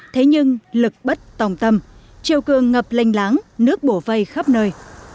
thế nhưng lực bất tòng tâm chiều cường ngập lênh láng nước bổ vây khắp nơi